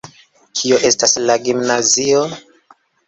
Kio estas la gimnazio?